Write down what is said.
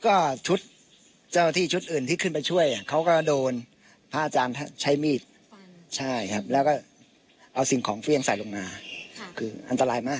ก็ชุดเจ้าหน้าที่ชุดอื่นที่ขึ้นไปช่วยเขาก็โดนพระอาจารย์ใช้มีดใช่ครับแล้วก็เอาสิ่งของเฟี่ยงใส่ลงมาคืออันตรายมาก